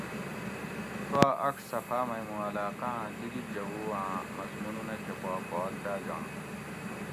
سواۤ اڄ صفحاۤ مئ مُوں علاقاۤ آۤں دی دی جوؤ آۤں مضمونونہۤ کہ پا بھاگ داجنت